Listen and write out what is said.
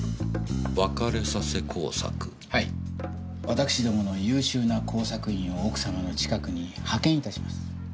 私共の優秀な工作員を奥様の近くに派遣致します。